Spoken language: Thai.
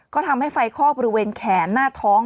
ก็ทำให้ไฟคอกบริเวณแขนหน้าท้อง